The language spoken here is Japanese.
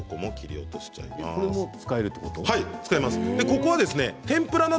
ここはですね